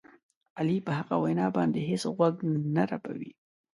علي په حقه وینا باندې هېڅ غوږ نه رپوي.